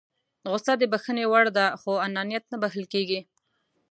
غوسه د بښنې وړ ده خو انانيت نه بښل کېږي.